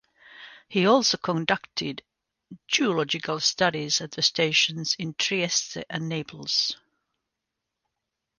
He also conducted zoological studies at the stations in Trieste and Naples.